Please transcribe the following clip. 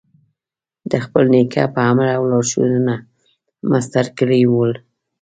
د خپل نیکه په امر او لارښوونه مسطر کړي ول.